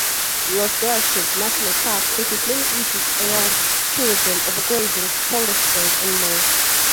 Los Glaciares National Park faces many issues around tourism, overgrazing, forest fires and more.